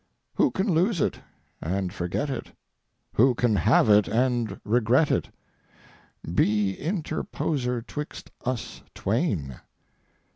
"Who can lose it and forget it? Who can have it and regret it? Be interposer 'twixt us Twain."